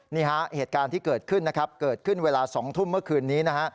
เหตุการณ์ที่เกิดขึ้นนะครับเกิดขึ้นเวลา๒ทุ่มเมื่อคืนนี้นะฮะ